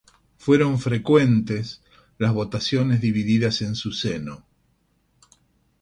Fueron frecuentes las votaciones divididas en su seno.